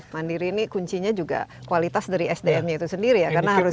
mandiri ini kuncinya juga kualitas dari sdm nya itu sendiri ya karena harus